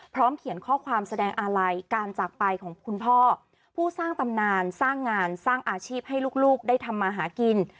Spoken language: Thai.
เขียนข้อความแสดงอาลัยการจากไปของคุณพ่อผู้สร้างตำนานสร้างงานสร้างอาชีพให้ลูกได้ทำมาหากิน